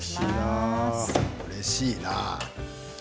うれしいな。